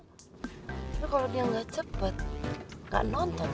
tapi kalau dia gak cepet gak nonton